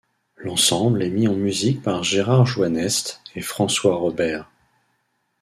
L'ensemble est mis en musique par Gérard Jouannest et François Rauber.